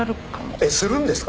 えっするんですか？